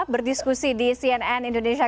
berdiskusi di cnn indonesia